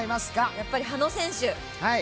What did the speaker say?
やっぱり羽野選手。